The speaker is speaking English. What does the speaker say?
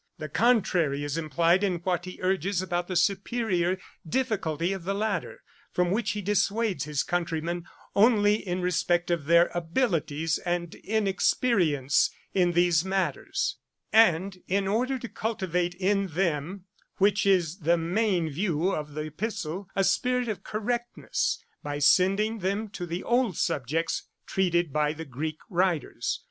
The contrary is implied in what he urges about the superiour difficulty of the latter, from which he dissuades his countrymen, only in respect of their abilities and inexperience in these matters; and in order to cultivate in them, which is the main view of the Epistle, a spirit of correctness, by sending them to the old subjects, treated by the Greek writers.'